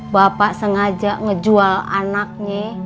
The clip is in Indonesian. bapak sengaja ngejual anaknya